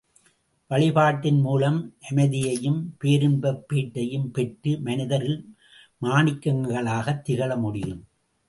வழிபாட்டின் மூலம் அமைதியையும் பேரின்பப் பேற்றையும் பெற்று மனிதரில் மாணிக்கங்களாகத் திகழ முடியும்.